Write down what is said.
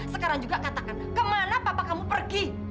sekarang juga katakan kemana papa kamu pergi